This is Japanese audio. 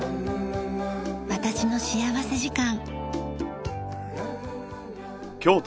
『私の幸福時間』。